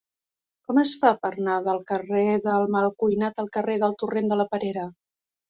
Com es fa per anar del carrer del Malcuinat al carrer del Torrent de Perera?